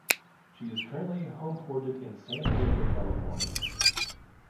She is currently homeported in San Diego, California.